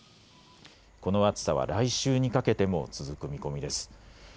この暑さは来週にかけても続く見込みです。